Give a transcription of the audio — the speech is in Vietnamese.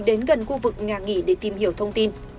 đến gần khu vực nhà nghỉ để tìm hiểu thông tin